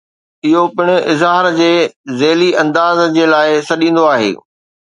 اهو پڻ اظهار جي ذيلي انداز جي لاء سڏيندو آهي.